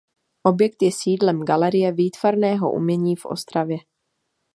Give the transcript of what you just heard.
Objekt je sídlem Galerie výtvarného umění v Ostravě.